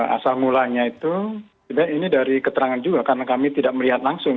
asal mulanya itu sebenarnya ini dari keterangan juga karena kami tidak melihat langsung